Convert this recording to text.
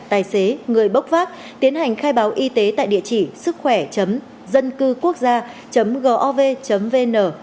tài xế người bốc vác tiến hành khai báo y tế tại địa chỉ sứckhoẻ dâncưquốcgia gov vn